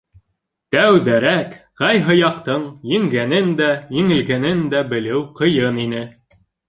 Тәүҙәрәк ҡайһы яҡтың еңгәнен дә, еңелгәнен дә белеү ҡыйын ине.